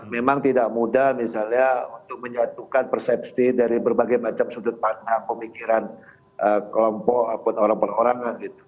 memang tidak mudah misalnya untuk menyatukan persepsi dari berbagai macam sudut pandang pemikiran kelompok ataupun orang perorangan gitu